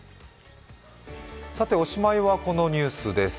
おしまいはこのニュースです。